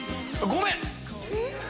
ごめん！